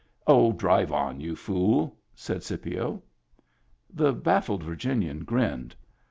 " Oh, drive on, y'u fool," said Scipio. The baffled Virginian grinned.